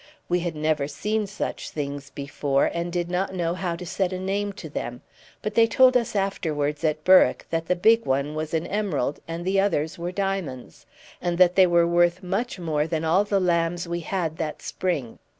We had never seen such things before, and did not know how to set a name to them; but they told us afterwards at Berwick that the big one was an emerald and the others were diamonds, and that they were worth much more than all the lambs we had that spring.